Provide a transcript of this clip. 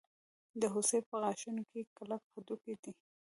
د هوسۍ په غاښونو کې کلک هډوکی دی.